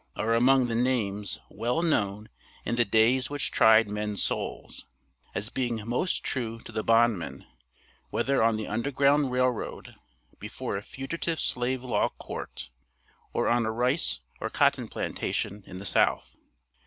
are among the names well known in the days which tried men's souls, as being most true to the bondman, whether on the Underground Rail Road, before a Fugitive Slave Law Court, or on a rice or cotton plantation in the South.